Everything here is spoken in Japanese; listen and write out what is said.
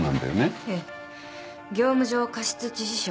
ええ業務上過失致死傷。